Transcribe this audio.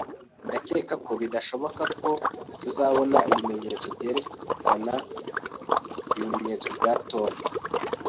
Ndacyeka ko bidashoboka ko tuzabona ibimenyetso byerekana ibimenyetso bya Tom